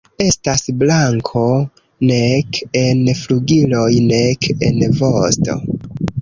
Estas blanko nek en flugiloj nek en vosto.